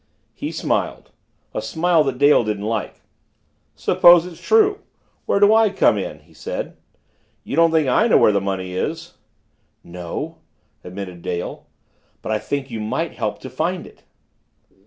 He smiled a smile that Dale didn't like. "Suppose it's true where do I come in?" he said. "You don't think I know where the money is?" "No," admitted Dale, "but I think you might help to find it."